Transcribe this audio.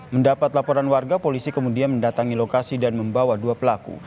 mendapat laporan warga polisi kemudian mendatangi lokasi dan membawa dua pelaku